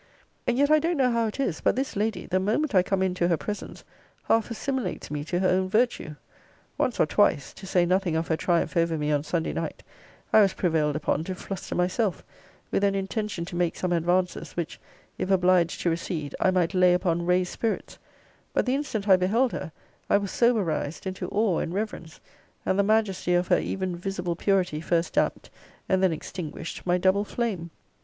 And yet I don't know how it is, but this lady, the moment I come into her presence, half assimilates me to her own virtue. Once or twice (to say nothing of her triumph over me on Sunday night) I was prevailed upon to fluster myself, with an intention to make some advances, which, if obliged to recede, I might lay upon raised spirits: but the instant I beheld her, I was soberized into awe and reverence: and the majesty of her even visible purity first damped, and then extinguished, my double flame.